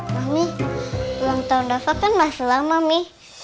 mami ulang tahun dafa kan masih lama mami